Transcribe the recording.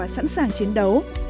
sẵn sàng chiến đấu